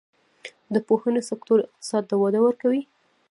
د پوهنې سکتور اقتصاد ته وده ورکوي